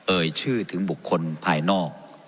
เอ่ยชื่อถึงบุคคลภายนอก